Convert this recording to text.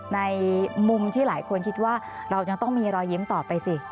ในมุมที่หลายคนคิดว่าเรายังต้องมีรอยยิ้มต่อไปสิ